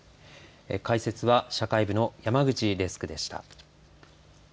解説は社会部の山口デスクでした。